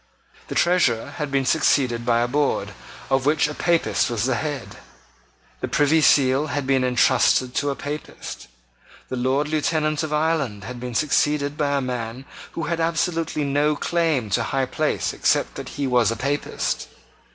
The Treasurer had been succeeded by a board, of which a Papist was the head. The Privy Seal had been entrusted to a Papist. The Lord Lieutenant of Ireland had been succeeded by a man who had absolutely no claim to high place except that he was a Papist.